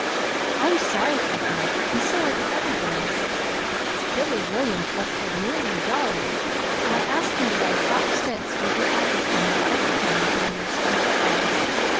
I'm sorry for her, and so are the other boys. Billy Williams once had nearly a dollar, and I asked him to buy five cents' worth of apples from her every day until he had spent it all.